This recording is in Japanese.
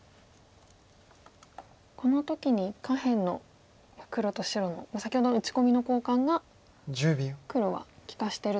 この時に下辺の黒と白の先ほどの打ち込みの交換が黒は利かしてると見てますか。